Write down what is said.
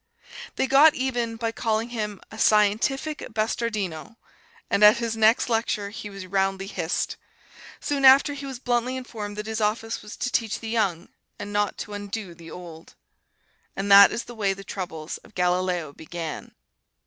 They got even by calling him "a scientific bastardino," and at his next lecture he was roundly hissed. Soon after he was bluntly informed that his office was to teach the young, and not to undo the old. And that is the way the troubles of Galileo began.